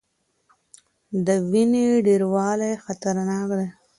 د وینې ډیروالی خطرناک دی.